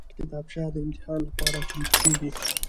کتابچه د امتحان لپاره چمتو کېږي